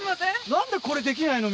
何でこれできないの？